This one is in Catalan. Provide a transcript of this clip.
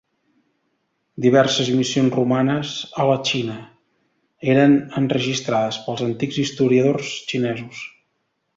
Diverses missions romanes a la Xina eren enregistrades pels antics historiadors xinesos.